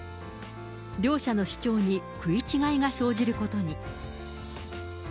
両者の主張に食い違いが生じることに。